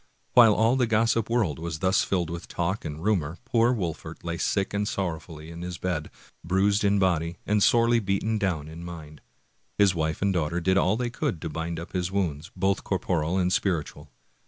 While all the gossip world was thus filled with talk and rumor, poor Wolfert lay sick and sorrowfully in his bed, bruised in body and sorely beaten down in mind. His wife and daughter did all they could to bind up his wounds, both corporal and spiritual.